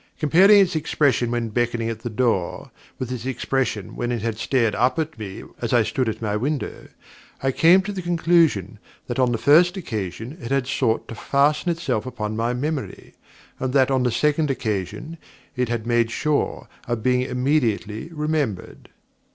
Comparing its expression when beckoning at the door, with its expression when it had stared up at me as I stood at my window, I came to the conclusion that on the first occasion it had sought to fasten itself upon my memory, and that on the second occasion it had made sure of being immediately remembered.